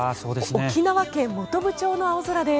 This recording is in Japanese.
沖縄県本部町の青空です。